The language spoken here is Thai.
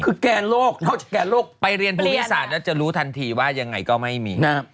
คือแกนโลกนอกจากแก่โรคไปเรียนภูมิศาสตร์แล้วจะรู้ทันทีว่ายังไงก็ไม่มี